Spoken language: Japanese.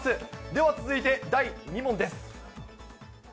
では、続いて第２問です。